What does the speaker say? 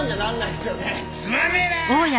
つまんねえな！